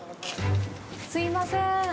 すいませーん。